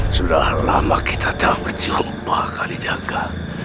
sudah lama kita tak berjumpa kalijaga